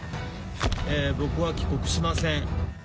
僕は帰国しません。